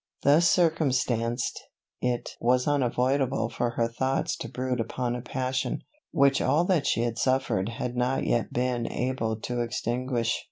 Thus circumstanced, it was unavoidable for her thoughts to brood upon a passion, which all that she had suffered had not yet been able to extinguish.